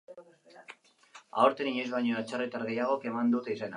Aurten, inoiz baino atzerritar gehiagok eman dute izena.